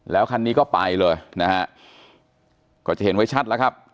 แล้วคันนี้ก็ไปเลยนะฮะก็จะเห็นไว้ชัดแล้วครับ